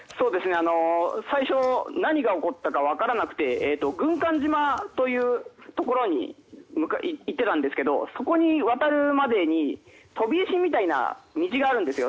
最初、何が起こったか分からなくて軍艦島というところに行っていたんですがそこに渡るまでに飛び石みたいな道があるんですよ。